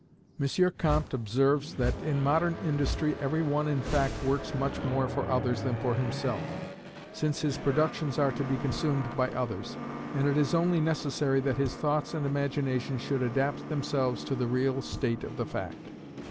M. Comte observes, that in modern industry every one in fact works much more for others than for himself, since his productions are to be consumed by others, and it is only necessary that his thoughts and imagination should adapt themselves to the real state of the fact.